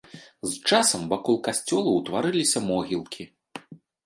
З часам вакол касцёла ўтварыліся могілкі.